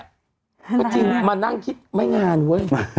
ก็จริงมานั่งคิดไม่นานเว้ย